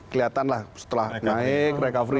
kelihatan lah setelah naik recovery